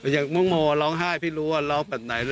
อย่างโมร้องไห้พี่รู้ว่าร้องแบบไหน